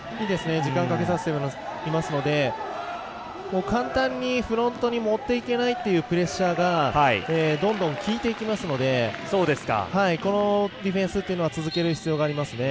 時間をかけさせていますので簡単にフロントに持っていけないっていうプレッシャーがどんどん効いていきますのでこのディフェンスというのは続ける必要がありますね。